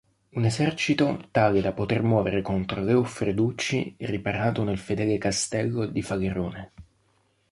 Un esercito tale da poter muovere contro l'Euffreducci riparato nel fedele castello di Falerone.